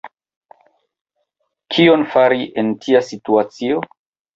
Kion fari en tia situacio?